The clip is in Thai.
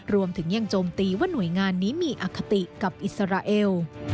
รวมถึงยังโจมตีว่าหน่วยงานนี้มีอคติกับอิสราเอล